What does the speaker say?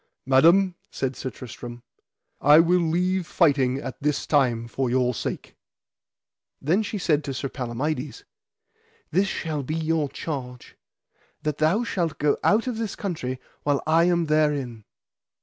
Madam, said Sir Tristram, I will leave fighting at this time for your sake. Then she said to Sir Palamides: This shall be your charge, that thou shalt go out of this country while I am therein.